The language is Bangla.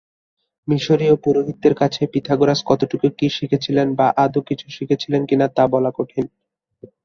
মিশরীয় পুরোহিতদের কাছে পিথাগোরাস কতটুকু কী শিখেছিলেন বা আদৌ কিছু শিখেছিলেন কিনা তা বলা কঠিন।